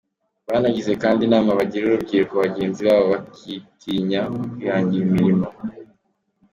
Banagize kandi inama bagira urubyiruko bagenzi babo bakitinya mu kwihangira umurimo.